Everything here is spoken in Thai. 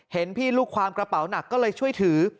เห็นพี่ลูกความกระเป๋าหนักก็เลยช่วยถือ